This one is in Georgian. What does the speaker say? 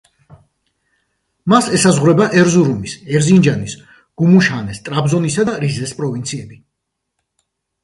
მას ესაზღვრება ერზურუმის, ერზინჯანის გუმუშჰანეს, ტრაბზონის და რიზეს პროვინციები.